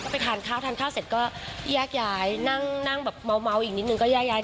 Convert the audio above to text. ทานข้าวทานข้าวเสร็จก็แยกย้ายนั่งแบบเมาอีกนิดนึงก็แยกย้าย